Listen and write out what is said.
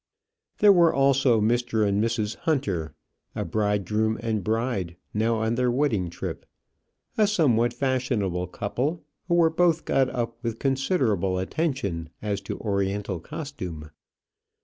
There were also Mr. and Mrs. Hunter a bridegroom and bride, now on their wedding trip; a somewhat fashionable couple, who were both got up with considerable attention as to oriental costume.